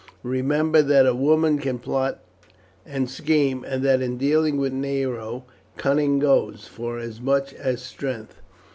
Remember that a woman can plot and scheme, and that in dealing with Nero cunning goes for as much as strength.